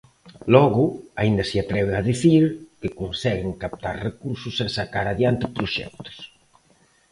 Logo, aínda se atreve a dicir que conseguen captar recursos e sacar adiante proxectos.